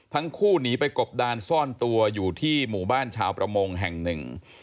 ทั้งคู่หนีไปกบดานซ่อนตัวอยู่ที่หมู่บ้านชาวประมงแห่งหนึ่ง